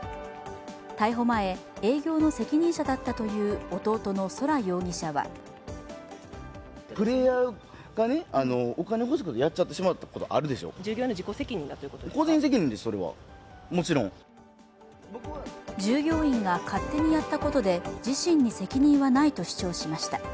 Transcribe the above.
逮捕前、営業の責任者だったという弟の宇宙容疑者は従業員が勝手にやったことで自身に責任はないと主張しました。